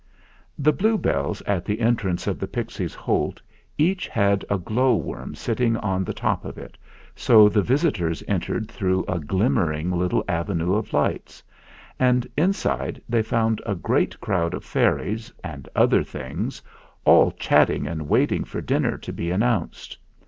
112 THE FLINT HEART The bluebells at the entrance of the Pixies' Holt each had a glow worm sitting on the top of it, so the visitors entered through a glim mering little avenue of lights; and inside they found a great crowd of fairies and other things all chatting and waiting for dinner to be an nounced.